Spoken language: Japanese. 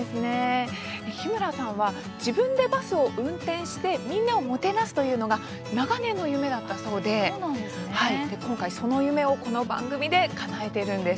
日村さんは自分でバスを運転してみんなをもてなすというのが長年の夢だったそうで今回その夢を、この番組でかなえているんです。